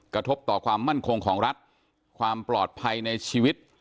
กระทบต่อความมั่นคงของรัฐความปลอดภัยในชีวิต